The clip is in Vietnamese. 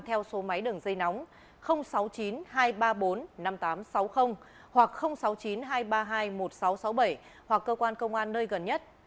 theo số máy đường dây nóng sáu mươi chín hai trăm ba mươi bốn năm nghìn tám trăm sáu mươi hoặc sáu mươi chín hai trăm ba mươi hai một nghìn sáu trăm sáu mươi bảy hoặc cơ quan công an nơi gần nhất